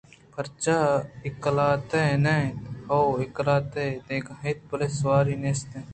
پرچہ اے قلات ءِ دگّ نہ اِنت؟ ہئو ! اے قلات ءِ دگّ اِنت بلئے سواری ئے نیست